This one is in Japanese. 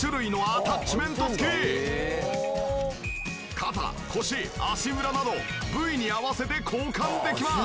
肩腰足裏など部位に合わせて交換できます！